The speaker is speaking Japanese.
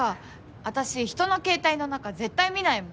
私人の携帯の中絶対見ないもん。